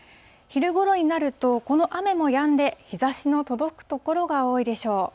昼ごろになると、この雨もやんで、日ざしの届く所が多いでしょう。